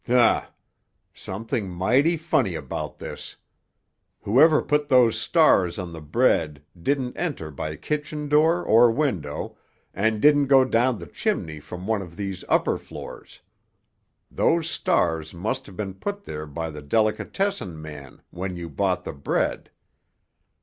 "Humph! Something mighty funny about this! Whoever put those stars on the bread didn't enter by kitchen door or window, and didn't go down the chimney from one of these upper floors. Those stars must have been put there by the delicatessen man when you bought the bread.